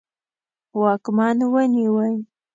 واکمن ونیوی.